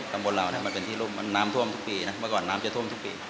ตำบลเราเนี่ยมันเป็นที่รุ่มมันน้ำท่วมทุกปีนะเมื่อก่อนน้ำจะท่วมทุกปี